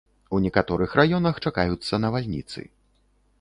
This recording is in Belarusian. У некаторых раёнах чакаюцца навальніцы.